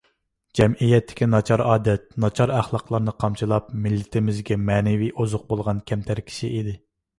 جەمئىيەتتىكى ناچار ئادەت، ناچار ئەخلاقلارنى قامچىلاپ، مىللىتىمىزگە مەنىۋى ئوزۇق بولغان كەمتەر كىشى ئىدى.